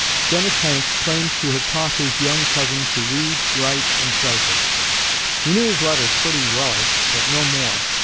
Dennis Hanks claims to have taught his young cousin to read, write, and cipher. "He knew his letters pretty wellish, but no more.